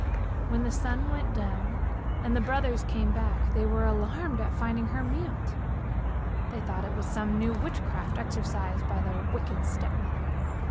When the sun went down and the brothers came back, they were alarmed at finding her mute; they thought it was some new witchcraft exercised by their wicked step mother.